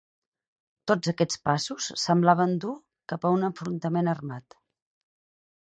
Tots aquests passos semblaven dur cap a un enfrontament armat.